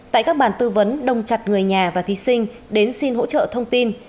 tại các bàn tư vấn đồng chặt người nhà và thí sinh đến xin hỗ trợ thông tin